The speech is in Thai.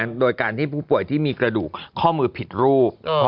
โดยการที่ผู้ป่วยที่มีกระดูกข้อมือผิดรูป